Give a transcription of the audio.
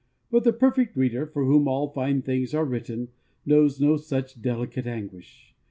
But the Perfect Reader, for whom all fine things are written, knows no such delicate anguish.